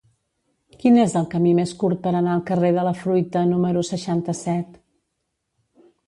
Quin és el camí més curt per anar al carrer de la Fruita número seixanta-set?